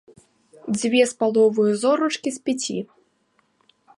Дзве з паловаю зорачкі з пяці.